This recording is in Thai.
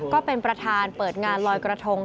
ก็เป็นประธานเปิดงานลอยกระทง